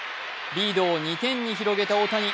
リードを２点に広げた大谷。